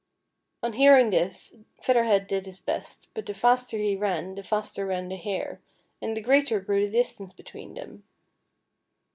On hearing this. Feather Head did his best, but the faster he ran the faster ran the Hare, and the greater grew the distance between them.